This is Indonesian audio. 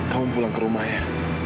kamu pulang ke rumah ya